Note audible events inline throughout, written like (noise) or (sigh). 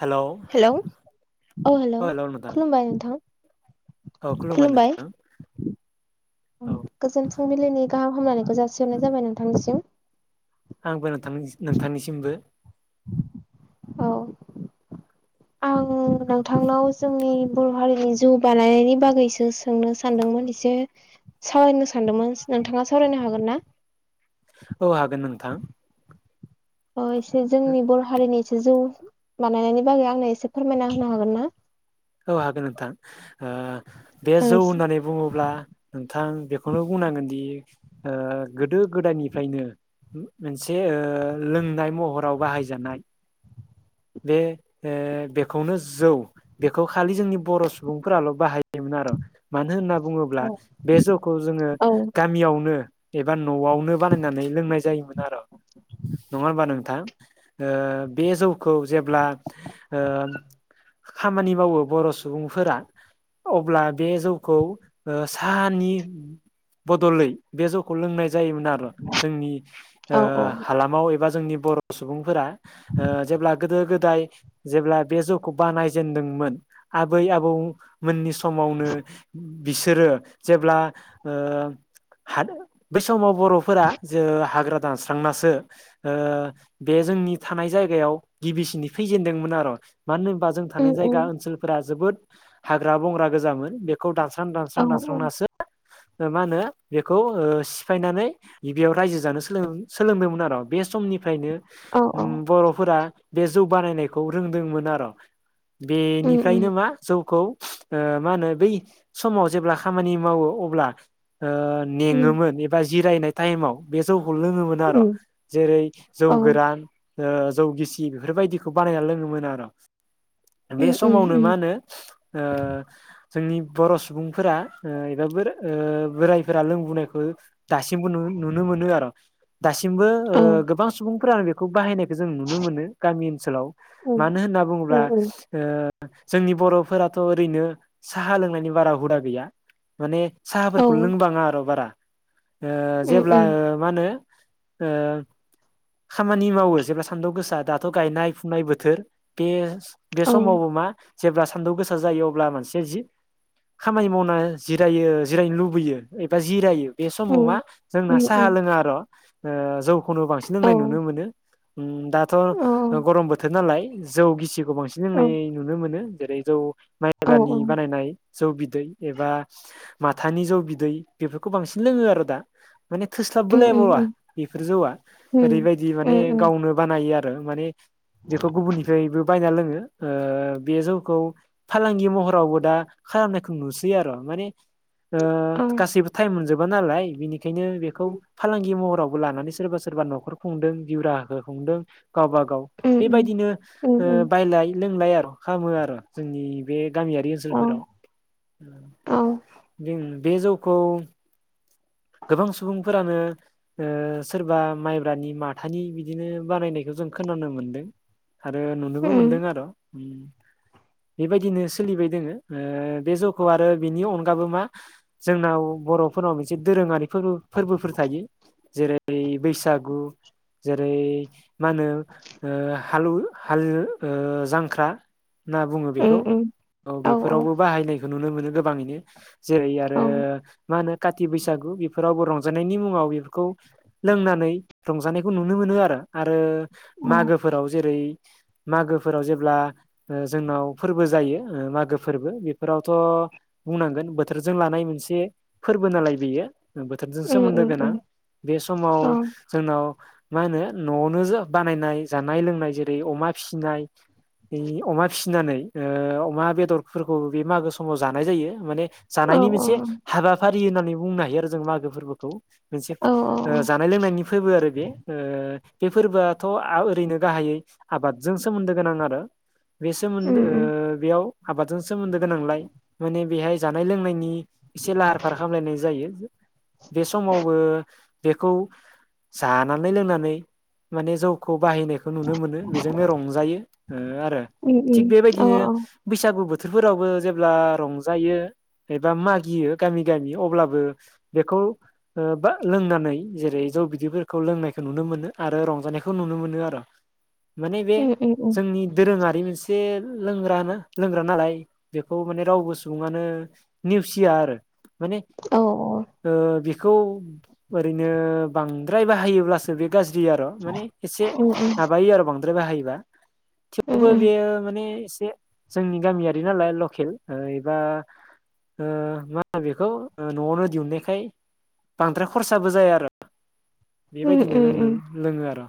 Hello hello औ औ hello नोंथां खुमबाय नोंथां। औ खुलुमबाय नोंथां औ गोजोन फुंबिलिनि गाहाम हामलायनायखौ जासिहरनाय जाबाय नोंथांनिसिम। आंबो नोंथांनि नोंथांनिसिमबो। औ। आं नोंथांनाव जोंनि बर' हारिनि जौ बानायनायनि बागैसो सोंनो सानदोंमोन एसे। सावरायनो सानदोंमोन नोंथाङा सावरायनो हागोन ना? औ होन नोंथां। अ एसे जोंनि बर' हारिनि मोनसे जौ बानायनायनि बागै आंनो एसे फोरमायना होनो हागोन ना? औ हागोन नोंथां ओ बे जौ होननानै बुङोब्ला नोंथां बेखौनो बुंनांगोन दि ओ गोदो गोदायनिफ्रायनो मोनसे ओ लोंनाय महराव बाहायजानाय बे ओ बेखौनो जौ बेखौ खालि जोंनि बर' सुबुंफोराल बाहायो जायोमोन आरो मानो होनना बुङोब्ला औ बे जौखौ जोङो गामियावनो एबा न'आवनो बानायनानै लोंनाय जायोमोन आरो नङा होनबा नोंथां। नोंथां ओ बे जौखौ जेब्ला ओ खामानि मावो बर' सुबुंफोरा अब्ला बे जौखौ साहानि बदलै बे जौखौ लोंनाय जायोमोन आरो। जोंनि ओ औ हालामाव एबा जोंनि बर' सुबुंफोरा ओ जेब्ला गोदो गोदाय जेब्ला बे जौखौ बानाय जेनदोंमोन आबै आबौ मोननि सम समावनो बिसोरो जेब्ला ओ (unintelligible) बै समाव बर'फोरा जे हाग्रा दानस्रांनासो ओ बे जोंनि थानाय जायगायाव गिबिसिननि थैजेनदोंमोन आरो मानो होनोबा जों उम थानाय उम जायगा ओनसोलफोरा जोबोद हाग्रा बंग्रा गोजामोन बेखौ औ दानस्रां-दानस्रां दानस्रांनासो ओ मा होनो बेखौ सिफायनानै गिबियाव रायजो जानो सोलों सोलोंदोंमोन आरो बे सम निफ्रायनो औ औ बर'फोरा बे जौ बानायनायखौ रोंदोंमोन आरो उम उम बेनिफ्रायनो मा जौखौ ओ मा होनो बै समाव जेब्ला खामानि मावो अब्ला ओ उम नेेङोमोन एबा जिरायनाय टायेमाव बे जौ खौ लोङोमोन आरो। उम जेरै जौ औ गोरान ओ जौ गिसि बेफोरबायदिखौ बानायना लोङोमोन आरो। बे उम उम समावनो मा उम होनो ओ जोंनि बर' सुबुंफोरा ओ एबा बो-बोराइफोरा लोंबोनायखौ दासिमबो नु नुनो मोनो आरो दासिमबो ओ औ उम गोबां सुबुंफोरानो बेखौ बाहायनायखौ जों नुनो मोनो। गामि ओनसोलाव मानो होनना बुङोब्ला उम उम ओ जोंनि बर'फोराथ ओरैनो साहा लोंनायनि बारा हुदा गैया। माने औ साहाफोरखौ उम लोंबाङा आर बारा ओ जेब्ला उम ओ मा होनो ओ खामानि मावो जेब्ला सान्दुं गोसा दा दाथ गायनाय फुनाय बोथोर बे-बे औ समावबो मा जेब्ला सान्दुं गोसा जायो अब्ला मानसिया जि खामानि मावना जिरायो जिरायनो लुबैयो एबा जिरायो। बे समाव मा उम जोंना उम साहा उम लोङा आरो जौखौनो बांसिन औ लोंनाय नुनो मोनो। उम दाथ औ गरम बोथोर नालाय जौ गिसिखौ बांसिन औ लोंनाय नुनो मोनो। जेरै जौ औ माइबानि बानायनाय जौ बिदै एबा माथानि जौ बिदै बेफोरखौ बांसिन लोङो आरो दा। माने उम उम थोस्लाबबोलायबावा उम बेफोर जौआ उम ओरैबायदि माने उम उम गावनो बानायो आरो माने बेखौ गुबुननिफ्रायबो बायना लोङो। ओ बे जौखौ फालांगि महरावबो दा खालामनायखौ नुसै आरो। माने ओ औ गासैबो टाइम मोनजोब बा नालाय बिनिखायनो बेखौ फालांगि महरावबो लानानै सोरबा सोरबा न'खर खुंदों जिउराहाखौ खुंदों। गावबागाव उम बेबायदिनो उम ओ उम बायलाय लोंलाय आर' खालामो आर' जोंनि बे गामियारि औ ओनसोलफोराव औ बे बे जौखौ (unintelligible) गोबां सुबुंफोरानो ओ सोरबा माइब्रानि माथानि बिदिनो बानायनाय बेखौ जों खोनानो मोनदों आरो नुनोबो मोनदों उम आर'। बेबायदिनो सोलिबाय दोङो ओ बे जौखौ आरो बिनि अन गाबो मा जोंनाव बर'फोरनाव मोनसे दोरोङारि फोरबो फोरबोफोर थायो। जेरै बै बैसागु जेरै मा होनो ओ हालु हाल ओ जांख्रा ना बुङो उम बेखौ उम औ बेफोरावबो बाहायनायखौ नुनो मोनो गोबाङैनो। जेरै आरो औ मा होनो? काति बैसागु बेफोरावबो रंजानायनि मुङाव बेफोरखौ लोंनानै रंजानायखौ नुनो मोनो आरो। आरो उम मागोफोराव जेरै मागोफोराव जेब्ला ओ जोंनाव फोरबो जायो ओ मागो फोरबो बेफोरावथ' बुंनांगोन बोथोरजों लानाय मोनसे फोरबो नालाय बेयो बोथोरजों उम सोमोन्दो उम उम गोनां बे समाव औ जोंनाव मा होनो न'आवनो ज बानायनाय जानाय लोंनाय जेरै अमा फिसिनाय अमा फिसिनानै ओ अमा बेदरफोरखौ बे मागो समाव जानाय जायो। माने औ जानायनि उम मोनसे उम औ उम उम हाबाफारि होननानै बुंनो हायो आरो जों मागो फोरबोखौ उम मोनसे ओ जानाय लोंनायनि फोरबो आरो बे ओ बे फोरबोआथ' आ ओरैनो गाहायै आबादजों सोमोन्दो गोनां आरो बे सोमोन ओ बेयाव आबादजों सोमोन्दो गोनांलाय माने बेहाय जानाय लोंनायनि एसे लाहार फाहार खामलायनाय जायो बे समावबो बेखौ जानानै लोंनानै माने जौखौ बाहायनायखौ नुनो मोनो बेजोंनो रंजायो ओ आरो उम थिग बेबायदिनो बैसागु बो थोरफोरावबो जेब्ला रंजायो एबा मागियो गामि गामि अब्लाबो बेखौ ओ बा लोंनानै जेरै जौ बिदैफोरखौ लोंनायखौ नुनो मोनो आरो रंजानायखौ नुनो मोनो आरो माने बे जोंनि दोरोङारि मोनसे लोंग्रा ना लोंग्रा नालाय बेखौ माने रावबो सुबुङानो नेवसिया आरो माने ओ बेखौ ओरैनो बांद्राय बाहायो गाज्रि आर' माने एसे माबायो आरो बांद्राय बाहायोबा थेवबो बेयो माने एसे जोंनि गामियारि नालाय लकेल ओ एबा ओ मा होनो बेखौ न'आवनो दिहुननायखाय बांद्राय खरसाबो जाया आरो बेबायदिनो लोंनो आर'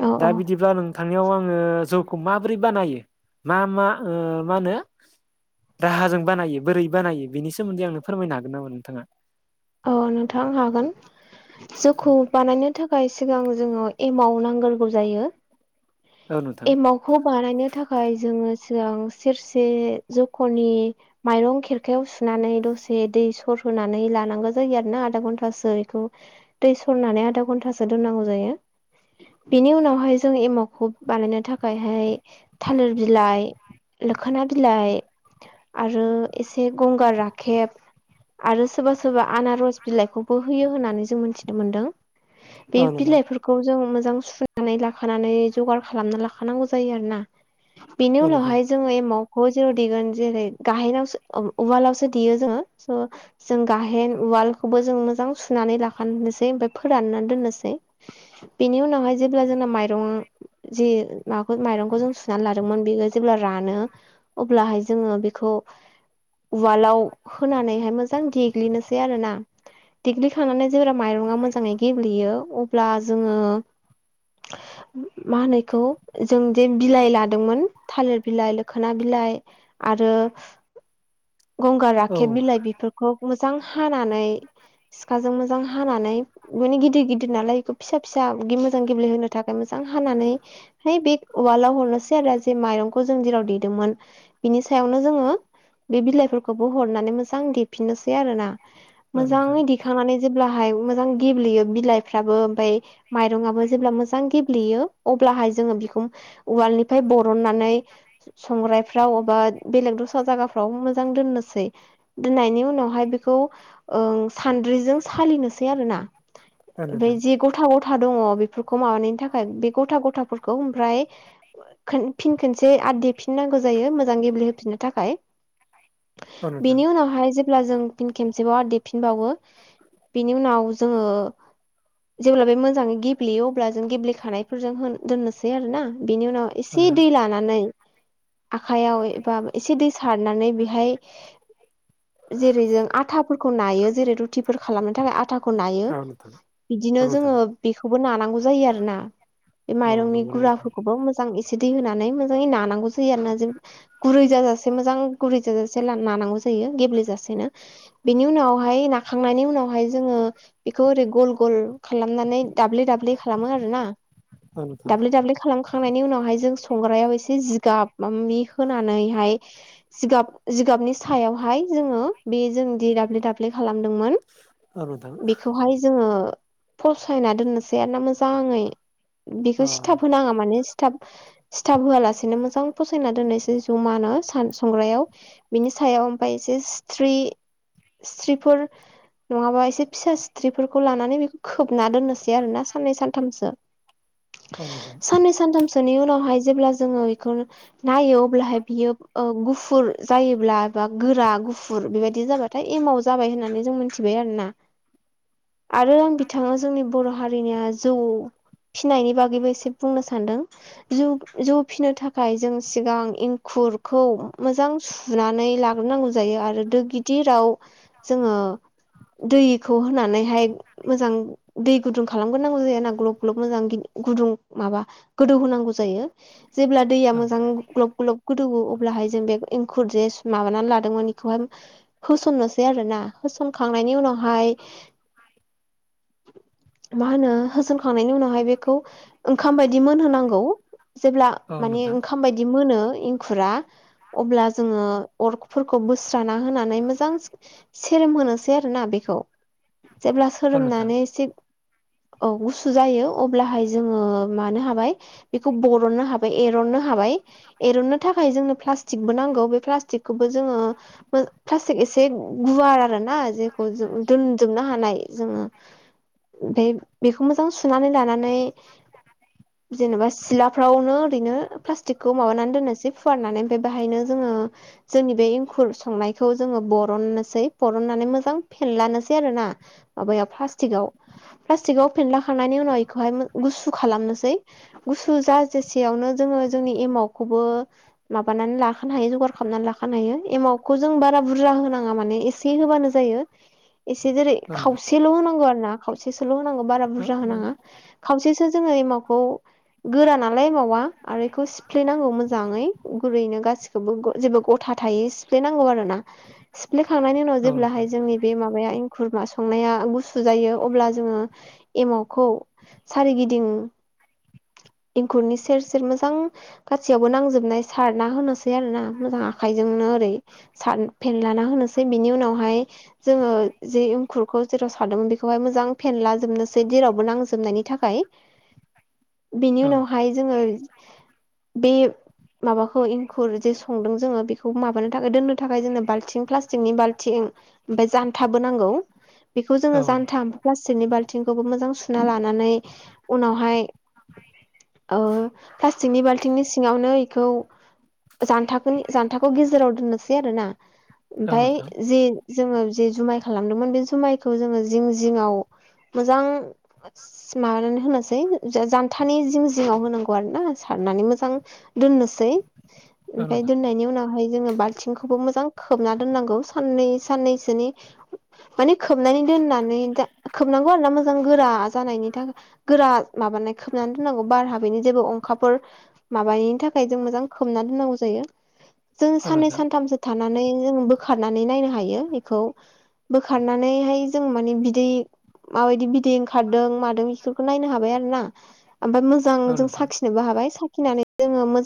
औ दा औ बिदिब्ला नों थांनायाव आङो जौखौ माबोरै बानायो मा मा ओ मा होनो राहाजों बानायो बोरै बानायो बेनि सोमोन्दै आंनो फोरमायनो हागोन नामा नोंथाङा औ नोंथां हागोन जौखौ बानायनो थाखाय सिगां जोङो एमाउ नांग्रोगौ जायो औ नोंथां एमावखौ बानायनो थाखाय जोङो सिगां सेरसे जख'नि माइरं खेरखायाव सुनानै दसे दै सर होनानै लानांगो जायो आरोना आदा घन्टासो बेखौ दै सरनानै आधा घन्टासो दोननांगौ जायो बेनि उनावहाय जों एमावखौ बानायनो थाखायहाय थालिर बिलाइ लोखोना बिलाइ आरो एसे गंगार राखेब आरो सोरबा सोरबा आनारस बिलाइखौबो होयो होननानै जों मिथिनो मोनदों बे औ नोंथां बिलाइफोरखौ जों मो मोजां सुनानै लाखानानै जगार खालामना लाखानांगौ जायो आरो ना बेनि औ नोंथां उनावहाय जोङो एमाव खौ जेराव देगोन जेरै गाहेनावसो उवालावसो देयो जोङो स' जों गाहेन उवाखौबो जों मोजां सुनानै लाखनोसै ओमफ्राय फोराननानै दोननोसै बेनि उनावहाय जेब्ला जोंना माइरं जि माबाखौ माइरंखौ जों सुनानै लादोंमोन बेखौ जेब्ला रानो अब्लाहाय जोङो बेखौ उवालाव होनानैहाय मोजां देग्लिनो सै आरो ना देग्लिखांनानै जेब्ला माइरङा मोजाङै गेब्लेयो अब्ला जोङो मा होनोएखौ जों जे बिलाइ लादोंमोन थालिर बिलाइ लोखोना बिलाइ लाइ आरो गंगार औ राखेब बिलाइ बेफोरखौ मोजां हानानै सिखाजों मोजां हानानै माने गिदिर गिदिर नालाय बेखौ फिसा फिसा मोजां गेब्लेहो थाखाय मोजां हानानै बे उवाल हरनोसै आरो माइखौ जों जेराव देदोंमोन बिनि सायावनो जोङो बे बिलाइफोरखौबो हरनानै मोजां देफिननोसै आरो ना औ नोंथां मोजाङै दिखांनानै जेब्ला हाय मोजां गेब्लेयो बिलायफ्राबो ओमफाय मायरङाबो मांजां गेब्लेयो आब्लाहाय जोंङो बेखौ उवालनिफ्राय बरननानै संग्रायफ्राव एबा बेलेग दस्रा जागा फ्रा मोजां दोनोसै दोनायनि उनावहाय खौ ओ सानद्रिजों सालिनोसै आरो ना औ बे नोंथां जे गथ गथा गथा दङ बेफोरखौ माबानायनि थाखाय बे गथा गथाफोरखौ ओफ्राय खो फिन खसे आरो देफिननांगौ जायो मोजां गेब्लेहोफिननो थाखाय औ नोंथां बेनि उनावहाय जेब्ला जों फिन खेबसेबाव आरो देफिनबावो बेनि उनाव जोङो जेब्ला बे मोजाङै गेब्लेयो अब्ला जों गेब्लेखानायफोरजों दोननोसै आरो ना बिनि उनाव औ एसे नोंथां दै लानानै आखाइयाव एबा एसे दै सारनानै बेहाय जेरै जों आटाफोरखौ नायो जेरै रुटिफोर खालामनो थाखाय आटाखौ नायो औ नोंथां औ बिदिनो नोंथां जोङो बेखौबो नानांगौ जायो आरोना बे अ माइरंनि नंगौना गुराफोरखौबो मोजां एसे एसे दै होनानै मोजाङै नानांगौ जायोयो आरो ना जों गुरै जाजासे मोजां गुरै जाजासे नानांगौ जायो गेब्लेेजासेनो बिनि उनावहाय नाखांनायनि उनावहाय जोङो बेखौ ओरै गल गल खालामनानै दाब्लिले दाब्लिले खालामो आरो ना नोंथां दाब्लि दाब्लि खालामखांनायनि उनावहाय जों संग्रायाव एसे जिगाब माबा माबि होनानैहाय जिगाब जिगाबनि सायावहाय जोङो बे जों दि दाब्ले दाब्ले खालामदोंमोन औ नोंथां बेखौहाय जोङो फसायना दोननोसै आरो ना मोजाङै बिखौ औ सिथाब होनाङा माने सिथाब (inaudible) सिथाब होआलासेनो मोजां फसायना दोननोसै जमानो सान संग्रायाव बिनि सायाव ओमफ्राय एसे स्रि सथ्रिफोर नङाबा एसे फिसा सिथ्रिफोरखौ लानानै बेखौ खोबना दोननोसै आरो ना साननै सानथामसो (inaudible) नोंथां साननै सानथामसोनि उनावहाय जेब्ला जोङो बेखौ नायो अब्लाहाय बियो ओ गुफुर जायोब्ला बा गोरा गु फुर बेबायदि जाबाथाय एमाव जाबाय होननानै जों मिथिबाय आरो ना आरो आं बिथाङा जोंनि बर' हारिनिया जौ फिनायनि बागैबो एसे बुंनो सानदों जौ फिनो थाखाय जों सिगांं एंखुर खौ मोजां सुनानै लाग्रोनांगौ जायो आरो दो गिदिराव जोङो दैखौ होनानैहाय मोजां दै गुदुं खालामग्रोनांगौ जायाना ग्लब ग्लब मोजां गुदुं माबा गोदौ होनांगौ जायो जेब्ला दैया मोजां ग्लब ग्लब गोदौवो अब्लाहाय जों बे एंखुर जे माबानानै लादोंमोन बेखौहाय होसननोसै आरोना होसनखांनायनि उनाव हाय मा होनो होसनखांनायनि उनावहाय बेखौ ओंखाम बायदि मोनहोनांगौ जेब्ला अ औ नोंथां औ माने नोंथां ओंखाम बायदि मोनो एंखुरा अब्ला जोङो अरफोरखौ बोस्राना होनानै मोजां सेरोम होनोसै आरोना बेखौ जेब्ला औ नोंथां औ नोंथां सोरोमनानै एसे औ गुसु जायो अब्लाहाय जोङो मानो हाबाय बेखौ बरननो हाबाय एरननो हाबाय एनो थाखाय जों प्लास्टिकबो नांगौ बे प्लास्टिकखौबो जोङो प्लास्टिक एसे गुवार आरोना जेखौ दोनजोबनो हानाय जोङो बे बेखौ मोजां सुनानै लानानै जेनेबा सिलाफ्रावनो ओरैनो प्लाटिकखौ माबानानै दोननोसै फुवारनानै ओमफ्राय बेहायनो जोङो जोंनि बे एंखुर संनायखौ जोङो बरननोसै बरननानै मोजां फेनलानोसै आरो ना माबायाव प्लास्टिकआव प्लास्टिक आव फेनलाखांनायनि बेखौहाय गुसु खालामनोसै गुसु जाजासेआव नो जोङो जोंनि एमाव खौबो माबानानै लाखानो हायो जगार खालामनानै लाखानो हायो एमाव खौ जों बारा बुरजा होनाङा माने एसे होबानो जायो एसे जेरै खावसेल' होनांगौ आरो ना खावसेसोल' होनांगौ बारा बुरजा होनाङा खावसेसो एमावखौ गोरा नालाय मावावा आरो बेखौ सिफ्लनांगौ मोजाङै गुरैनो गा गासिखौबो जेबो गथा थायै सिफ्लेनांगौ आरो ना सिफ्लेखांनायनि उनाव औ नोंथां जेब्लाहाय जोंनि बे माबाया इंखुर संनाया गुसु जायो अब्ला जोङो एमावखौ सारिगिदिं (inaudible) इंखुरनि सेर सेर मोजां गासैयावबो नांजोबनाय सारना होनोसै आरोना मोजां आखायजोंनो ओरै सार फेनलाना होनो बिनि उनावहाय जोङो जे एंखुरखौ जेराव सारदोंमोन बेखौहाय मोजां फेनला जोबनोसै। जेरावबो नांजोबनायनि थाखाय बेनि औ उनावहाय जोङो बे माबाखौ एंखुर जे संदों जोङो बेखौ माबानो दोननो थाखाय जोंनो बालथिं प्लास्टिकनि बालथिं ओमफ्राय जान्थाबो नांगौ । बेखौ जोङो औ जान्था प्लास्टिकनि बाल्थिंखौबो मोजां सुना लानानै उनावहाय ओ प्लास्टिकनि बाल्थिंनि सिङावनो इखौ जान्थानि जानथाखौ गेजेराव दोननोसै आरोना। औ ओमफ्राय नोंथां जि जोङो जि जुमाय खालामदोंमोन बे जुमायखौ जोङो जिं जिङाव मोजां माबानानै होनोसै जानथानि जिं जिङाव होनांगौ आरोना। नानै मोजां दोननोसै औ ओमफ्राय नोंथां दोननायनि उनाव जोङो बालथिंखौबो मोजां खोबना दोननांगौ साननै साननैसोनि माने खोबनानै दोननानै खोबनांगौ आरोना मोजां गोरा जानायनि थाखाय गोरा माबानाय खोबनानै दोननांगौ बार हाबैनि जेबो अंखाफोर माबायिनि थाखाय जों मोजां खोबना दोननांगौ जायो। जों औ साननै नोंथां सानथामसो थानानै जों बोखारनानै नायनो हायो बेखौ बोखारनानैहाय जों माने बिदै माबायदि बिदै ओंखारदों मादों बेफोरखौ नायनो हाबाय आरोना। ओमफाय मोजां औ जों नोंथां साखिनोबो हाबाय साखिनानै जोङो मोजां